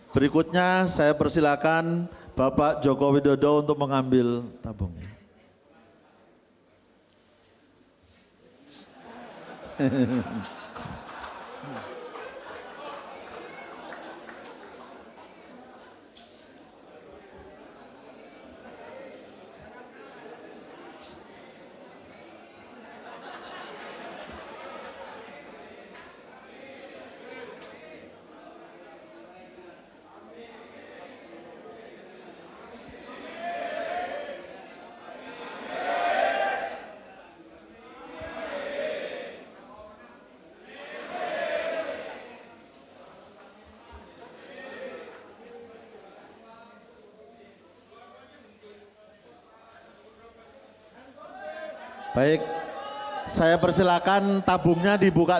berikutnya saya persilahkan bapak joko widodo untuk mengambil tabungnya